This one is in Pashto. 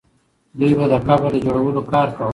دوی به د قبر د جوړولو کار کاوه.